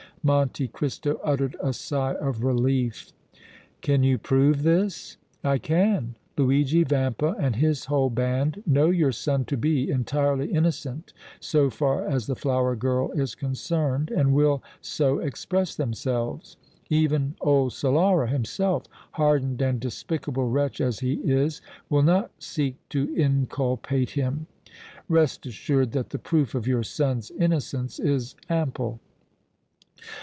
Monte Cristo uttered a sigh of relief. "Can you prove this?" "I can. Luigi Vampa and his whole band know your son to be entirely innocent so far as the flower girl is concerned and will so express themselves. Even old Solara himself, hardened and despicable wretch as he is, will not seek to inculpate him. Rest assured that the proof of your son's innocence is ample."